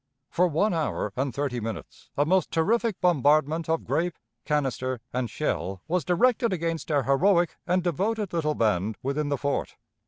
For one hour and thirty minutes a most terrific bombardment of grape, canister, and shell was directed against our heroic and devoted little band within the fort.